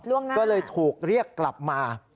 ล่วงหน้าค่ะก็เลยถูกเรียกกลับมา